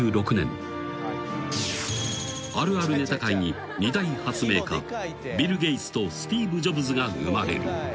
［あるあるネタ界に二大発明家ビル・ゲイツとスティーブ・ジョブズが生まれる］